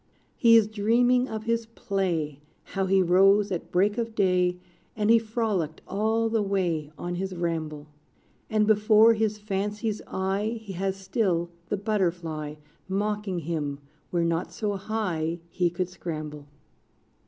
He is dreaming of his play How he rose at break of day, And he frolicked all the way On his ramble. And before his fancy's eye, He has still the butterfly Mocking him, where not so high He could scramble.